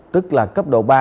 tức là cấp độ ba